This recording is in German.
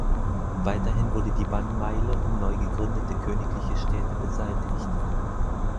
Weiterhin wurde die Bannmeile um neu gegründete königliche Städte beseitigt.